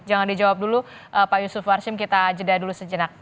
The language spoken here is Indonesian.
jangan dijawab dulu pak yusuf warshim kita jeda dulu sejenak